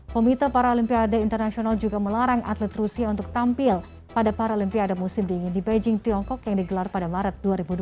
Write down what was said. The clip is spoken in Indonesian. komite paralimpiade internasional juga melarang atlet rusia untuk tampil pada paralimpiade musim dingin di beijing tiongkok yang digelar pada maret dua ribu dua puluh